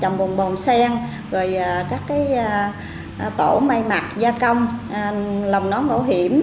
trồng bồn bồn sen tổ mây mặt da cong lồng nón mổ hiểm